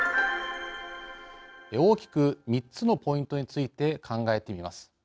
大きく３つのポイントについて考えてみます。